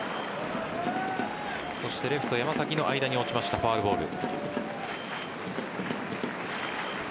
そしてレフト・山崎の間に落ちました、ファウルボール。